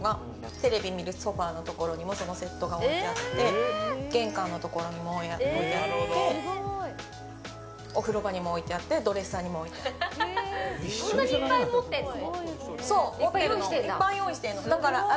テレビ見るソファのところにもそのセットが置いてあって玄関のところにも置いてあってお風呂場にも置いてあってそんなにいっぱい持ってるの？